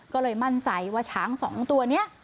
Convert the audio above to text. ก็เลยมั่นใจว่าช้างสองตัวนี้